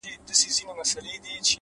د سهار چوپتیا د ورځې له شور مخکې وي,